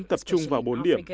tập trung vào bốn điểm